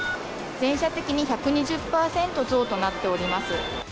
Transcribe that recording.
全社的に１２０％増となっております。